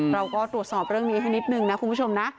เราก็ตรวจสอบเรื่องนี้ให้นิดนึงนะคุณผู้ชมนะ